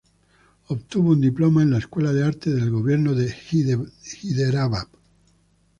Obtuvo un Diploma en la Escuela de Arte de Gobierno, de Hyderabad.